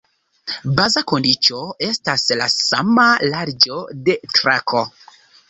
Baza kondiĉo estas la sama larĝo de trako.